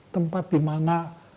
tempat di mana